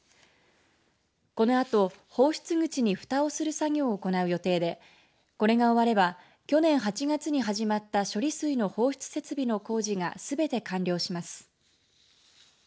このあと放出口にふたをする作業を行う予定でこれが終われば去年８月に始まった処理水の放出設備の工事がすべて完了します。